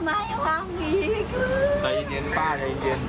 แต่อีกนิดนึงป้าก็อีกนิดนึง